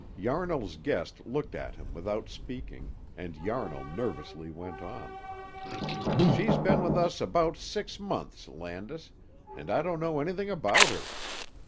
Yarnall's guest looked at him without speaking, and Yarnall nervously went on, "She's been with us about six months, Landis, and I don't know anything about her.